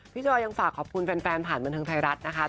จอยยังฝากขอบคุณแฟนผ่านบันเทิงไทยรัฐนะคะ